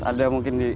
ada mungkin di